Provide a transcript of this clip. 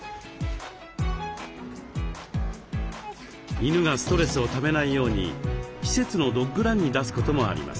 犬がストレスをためないように施設のドッグランに出すこともあります。